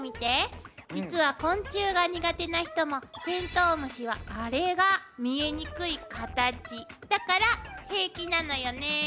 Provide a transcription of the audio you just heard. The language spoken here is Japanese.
実は昆虫が苦手な人もテントウムシはアレが見えにくいカタチだから平気なのよねぇ。